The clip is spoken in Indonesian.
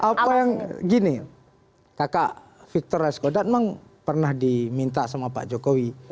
apa yang gini kakak victor rais kodat memang pernah diminta sama pak jokowi